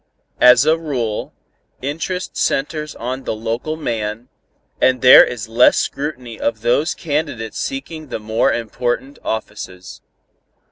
As a rule, interest centers on the local man, and there is less scrutiny of those candidates seeking the more important offices."